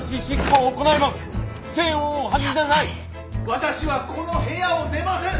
私はこの部屋を出ません！